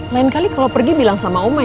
lain kali kalau pergi bilang sama oma ya